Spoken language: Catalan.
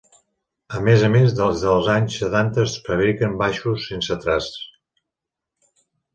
A més a més, des dels anys setanta es fabriquen baixos sense trasts.